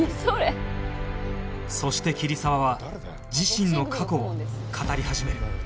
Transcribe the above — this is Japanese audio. そして桐沢は自身の過去を語り始めるなんだよ